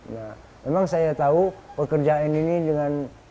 nah memang saya tahu pekerjaan ini dengan